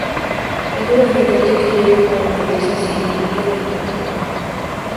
Es muy frecuente que lleve como impurezas iridio y platino.